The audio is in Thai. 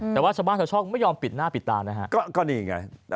แต่ว่าสมบัติศาสตร์ช่องไม่ยอมปิดหน้าปิดตานะฮะก็ก็นี่ไง